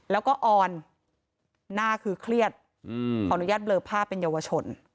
แล้วก็ออนหน้าคือเครียดขออนุญาตเบลอภาพเป็นเยาวชน